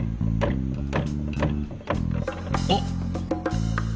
あっ！